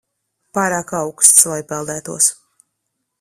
Pārāk auksts, lai peldētos.